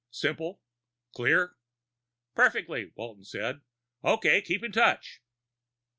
Simple? Clear?" "Perfectly," Walton said. "Okay. Keep in touch."